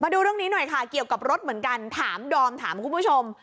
ดูเรื่องนี้หน่อยค่ะเกี่ยวกับรถเหมือนกันถามดอมถามคุณผู้ชม